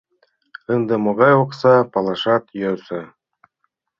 Ынде могай окса — палашат йӧсӧ.